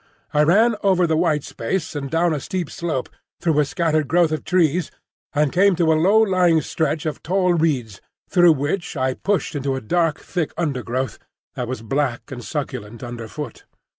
I ran over the white space and down a steep slope, through a scattered growth of trees, and came to a low lying stretch of tall reeds, through which I pushed into a dark, thick undergrowth that was black and succulent under foot.